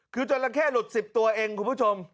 คือจราเข้หลุด๑๐ตัวเองคุณผู้ชม